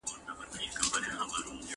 زه پرون مکتب ته وم!؟